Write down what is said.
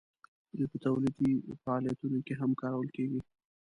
دوی په تولیدي فعالیتونو کې هم کارول کیږي.